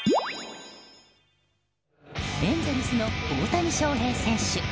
エンゼルスの大谷翔平選手。